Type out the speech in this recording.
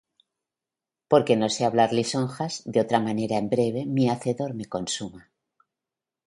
Porque no sé hablar lisonjas: De otra manera en breve mi Hacedor me consuma.